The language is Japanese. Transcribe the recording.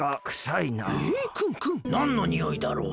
くんくんなんのにおいだろう？